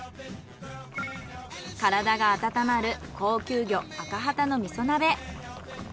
体があたたまる高級魚アカハタの味噌鍋。